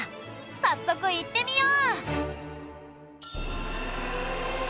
早速行ってみよう！